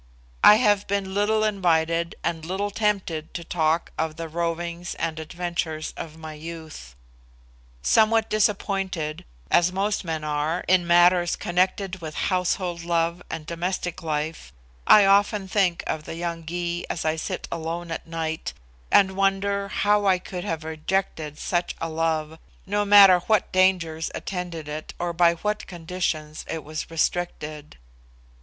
I have been little invited and little tempted to talk of the rovings and adventures of my youth. Somewhat disappointed, as most men are, in matters connected with household love and domestic life, I often think of the young Gy as I sit alone at night, and wonder how I could have rejected such a love, no matter what dangers attended it, or by what conditions it was restricted.